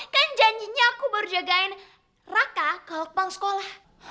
kan janjinya aku baru jagain raka ke lokbang sekolah